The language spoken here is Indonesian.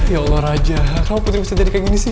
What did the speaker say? ya allah raja kenapa putri bisa jadi kayak gini sih